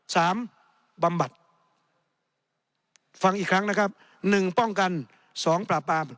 บำบัดฟังอีกครั้งนะครับหนึ่งป้องกันสองปราบปราม